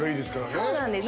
そうなんです